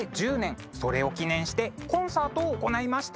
それを記念してコンサートを行いました。